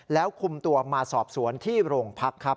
แล้วคุมตัวมาสอบสวนที่โรงพักครับ